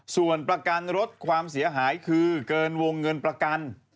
ส่วนประกันรถความเสียหายคือเกินวงเงินประกัน